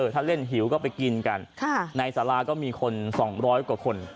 ถ้าเล่นหิวก็ไปกินกันในสาราก็มีคน๒๐๐กว่าคน